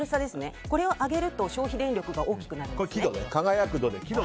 輝度を上げると消費電力が大きくなるんです。